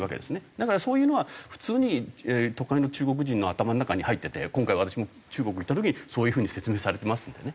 だからそういうのは普通に都会の中国人の頭の中に入ってて今回私も中国行った時にそういう風に説明されてますんでね。